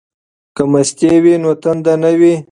که مستې وي نو تنده نه وي.